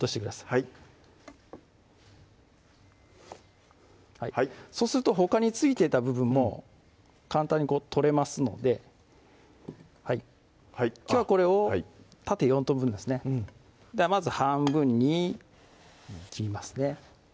はいそうするとほかに付いてた部分も簡単に取れますのではいきょうはこれを縦４等分ですねではまず半分に切りますね